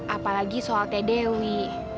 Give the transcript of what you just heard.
apalagi soal teh dewi